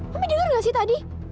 mami dengar gak sih tadi